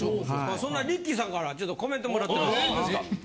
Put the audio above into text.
そんなリッキーさんからちょっとコメントもらってます。